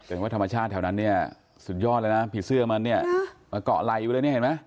เห็นว่าธรรมชาติแถวนั้นเนี่ยสุดยอดแล้วนะผีเสื้อมันเนี่ยมาเกาะไหล่อยู่เลยเนี่ยเห็นไหม